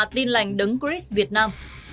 tin lành đứng chris việt nam